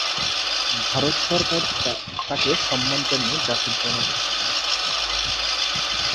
ভারত সরকার তাকে সম্মান জানিয়ে জাতির জনক হিসেবে ঘোষণা করেছে।